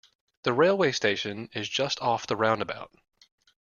The railway station is just off the roundabout